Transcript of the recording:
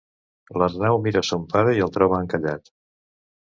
L'Arnau mira son pare i el troba encallat.